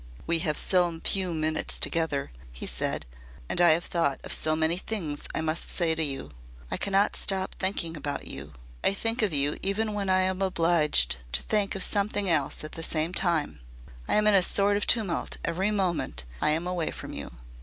"We have so few minutes together," he said. "And I have thought of so many things I must say to you. I cannot stop thinking about you. I think of you even when I am obliged to think of something else at the same time. I am in a sort of tumult every moment I am away from you."